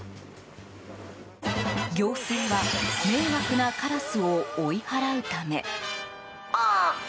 行政は迷惑なカラスを追い払うため。